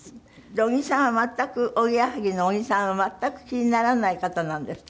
小木さんは全くおぎやはぎの小木さんは全く気にならない方なんですって？